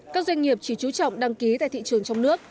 các doanh nghiệp chỉ chú trọng đăng ký tại thị trường trong nước